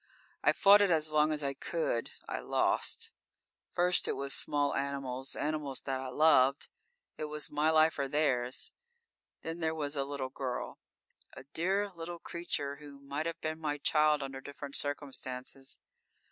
I fought it as long as I could. I lost._ _First it was small animals; animals that I loved. It was my life or theirs. Then there was a little girl; a dear little creature who might have been my child under different circumstances.